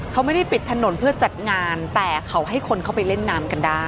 เขาไม่ได้ปิดถนนเพื่อจัดงานแต่เขาให้คนเข้าไปเล่นน้ำกันได้